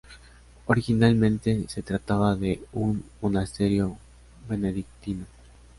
Originalmente, se trataba de un monasterio benedictino.